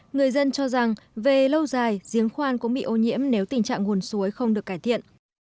người dân cho rằng về lâu dài giếng khoan cũng bị ô nhiễm nếu tình trạng nguồn suối không được cải thiện